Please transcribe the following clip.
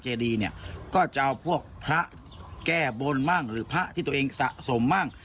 ดีเนี่ยก็จะเอาพวกพระแก้บนบ้างหรือพระที่ตัวเองสะสมบ้าง